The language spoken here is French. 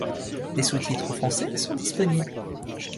Des sous-titres français sont disponibles.